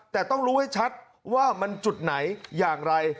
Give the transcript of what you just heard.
แต่ต้องรู้ให้ชัดว่ามันจุดไหนอย่างไร